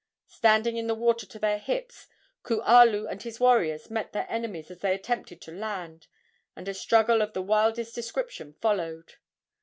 Standing in the water to their hips, Kualu and his warriors met their enemies as they attempted to land, and a struggle of the wildest description followed.